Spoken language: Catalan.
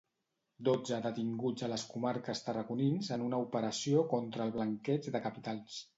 Dotze detinguts a les comarques tarragonins en una operació contra el blanqueig de capitals.